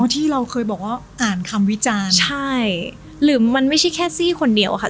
ที่เราเคยบอกว่าอ่านคำวิจารณ์ใช่หรือมันไม่ใช่แค่ซี่คนเดียวค่ะ